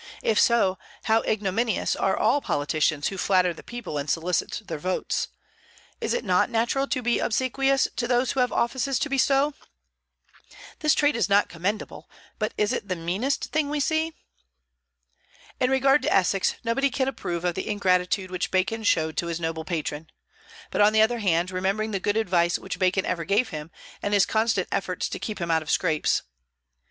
If so, how ignominious are all politicians who flatter the people and solicit their votes? Is it not natural to be obsequious to those who have offices to bestow? This trait is not commendable, but is it the meanest thing we see? In regard to Essex, nobody can approve of the ingratitude which Bacon showed to his noble patron. But, on the other hand, remember the good advice which Bacon ever gave him, and his constant efforts to keep him out of scrapes.